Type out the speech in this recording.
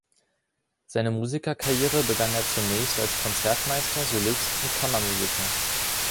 Seine Musikerkarriere begann er zunächst als Konzertmeister, Solist und Kammermusiker.